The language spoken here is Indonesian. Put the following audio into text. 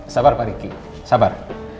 sabar pak riki sabar